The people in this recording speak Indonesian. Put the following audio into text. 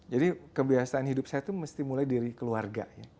jadi kebiasaan hidup saya itu mesti mulai dari keluarga